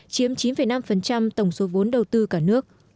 chiếm chín năm tổng số vốn đầu tư cả nước